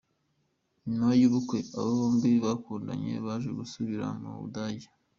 Nyuma y’ubukwe, aba bombi bakundanye baje gusubira mu Budage.